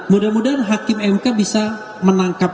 mudah mudahan hakim mk bisa menangkap